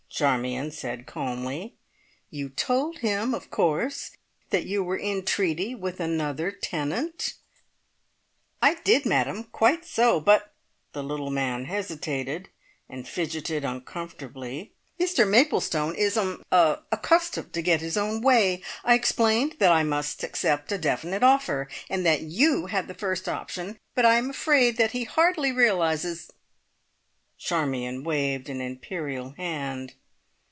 Charmion said calmly. "You told him, of course, that you were in treaty with another tenant?" "I did, madam. Quite so. But" the little man hesitated, and fidgeted uncomfortably "Mr Maplestone is er accustomed to get his own way! I explained that I must accept a definite offer, and that you had the first option, but I am afraid that he hardly realises " Charmion waved an imperial hand.